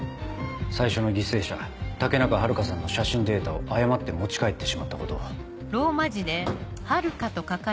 最初の犠牲者武中遥香さんの写真データを誤って持ち帰ってしまったことを。